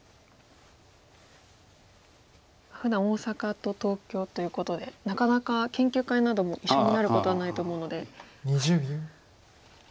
ふだん大阪と東京ということでなかなか研究会なども一緒になることはないと思うので。